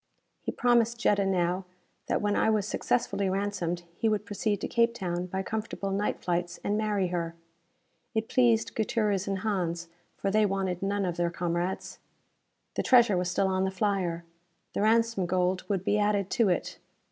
He promised Jetta now that when I was successfully ransomed he would proceed to Cape Town by comfortable night flights and marry her. It pleased Gutierrez and Hans, for they wanted none of their comrades. The treasure was still on the flyer. The ransom gold would be added to it.